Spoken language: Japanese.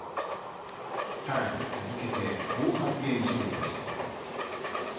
さらに続けてこう発言していました。